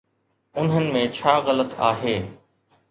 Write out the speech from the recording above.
انهن ۾ ڇا غلط آهي؟